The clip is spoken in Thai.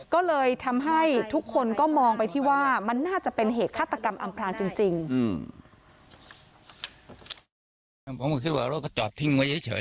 ก็เลยทำให้ทุกคนก็มองไปที่ว่ามันน่าจะเป็นเหตุฆาตกรรมอำพลางจริง